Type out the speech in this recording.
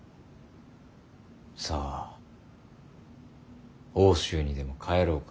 さあ奥州にでも帰ろうか。